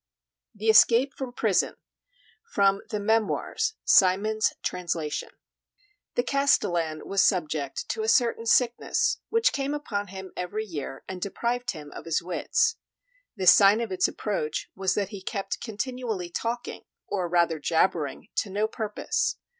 THE ESCAPE FROM PRISON From the 'Memoirs': Symonds's Translation The castellan was subject to a certain sickness, which came upon him every year and deprived him of his wits. The sign of its approach was that he kept continually talking, or rather jabbering, to no purpose.